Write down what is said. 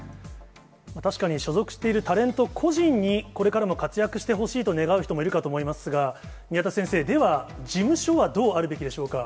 確かに所属しているタレント個人に、これからも活躍してほしいと願う人もいるかと思いますが、宮田先生、では事務所はどうあるべきでしょうか。